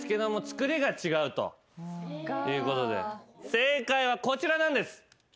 正解はこちらなんです。